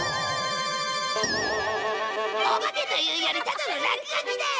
お化けというよりただの落書きだよ！